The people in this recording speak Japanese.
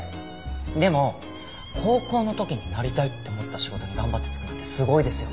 でも高校の時になりたいって思った仕事に頑張って就くなんてすごいですよ。